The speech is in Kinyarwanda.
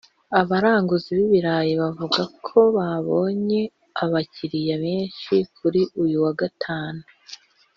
Abaranguzi b’ibirayi bo bavuga ko babonye abakiriya benshi kuri uyu wa Gatanu